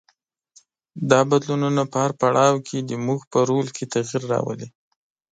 دا بدلونونه په هر پړاو کې زموږ په رول کې تغیر راولي.